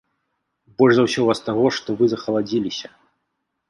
Больш за ўсё ў вас таго, што вы захаладзіліся.